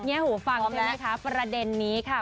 เงี้ยหูฟังเชอรี่คะประเด็นนี้ค่ะ